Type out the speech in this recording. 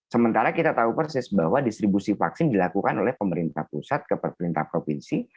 sementara kita tahu persis bahwa distribusi vaksin dilakukan oleh pemerintah pusat ke pemerintah provinsi